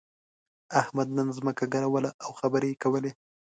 احمد نن ځمکه ګروله او خبرې يې کولې.